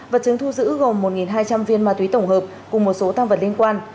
vật chứng thu giữ gồm một hai trăm linh viên ma túy tổng hợp cùng một số tăng vật liên quan